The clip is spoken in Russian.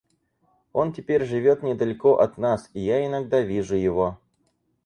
Он теперь живет недалеко от нас, и я иногда вижу его.